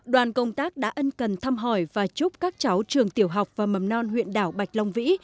đoàn công tác đã ân cần thăm hỏi và chúc các cháu trường tiểu học và mầm non huyện đảo bạch long vĩ